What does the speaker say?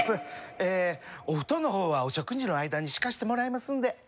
ええお布団のほうはお食事の間に敷かせてもらいますんで。